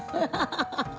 ハハハハ！